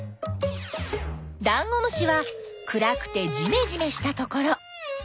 ダンゴムシは暗くてじめじめしたところ。